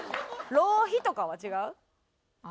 「浪費」とかは違う？